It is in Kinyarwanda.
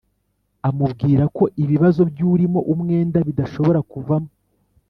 Amubwira ko Ibibazo by urimo umwenda bidashobora kuvamo